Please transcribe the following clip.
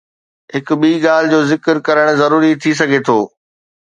هڪ ٻي ڳالهه جو ذڪر ڪرڻ ضروري ٿي سگهي ٿو.